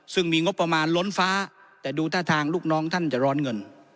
ซึ่งมีงบประมาณล้นฟ้าแต่ดูท่าทางลูกน้องท่านจะร้อนเงิน